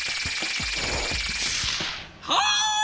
「はい！